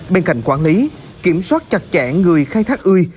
bên cạnh quản lý kiểm soát chặt chẽ người khai thác ươi